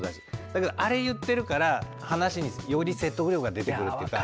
だけどあれ言ってるから話により説得力が出てくるっていうか。